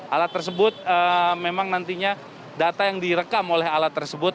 alat tersebut memang nantinya data yang direkam oleh alat tersebut